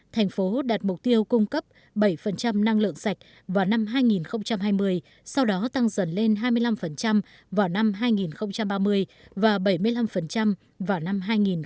thành phố đạt mục tiêu cung cấp bảy năng lượng sạch vào năm hai nghìn hai mươi sau đó tăng dần lên hai mươi năm vào năm hai nghìn ba mươi và bảy mươi năm vào năm hai nghìn năm mươi